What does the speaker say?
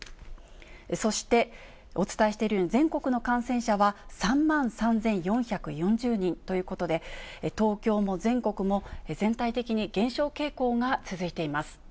そして、お伝えしているように、全国の感染者は３万３４４０人ということで、東京も全国も、全体的に減少傾向が続いています。